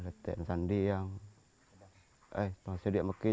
lihat lihat sendiri saya masih tidak bisa berpikir